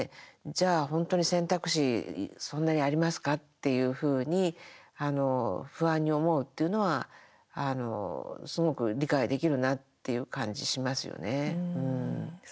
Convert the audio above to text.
じゃあ、本当に選択肢、そんなにありますかっていうふうに不安に思うっていうのはすごく理解できるなっていう感じしますよね。